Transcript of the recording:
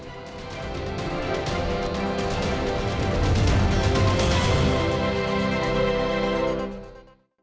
pertama kali kita akan mulai dari pemerintah